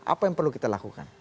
apa yang perlu kita lakukan